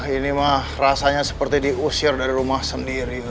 ini mah rasanya seperti diusir dari rumah sendiri